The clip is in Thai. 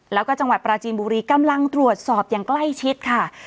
แล้วก็จังหวัดปราจีนบุรีกำลังตรวจสอบอย่างใกล้ชิดค่ะ